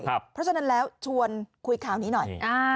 เพราะฉะนั้นแล้วชวนคุยข่าวนี้หน่อย